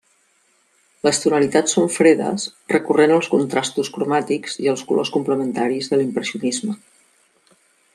Les tonalitats són fredes, recorrent als contrastos cromàtics i els colors complementaris de l'impressionisme.